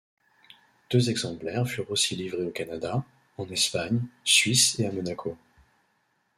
Des exemplaires furent aussi livrés au Canada, en Espagne, Suisse et à Monaco.